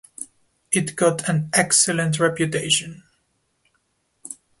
It got an excellent reputation.